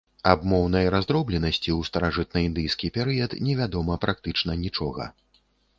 Аб моўнай раздробленасці ў старажытнаіндыйскі перыяд невядома практычна нічога.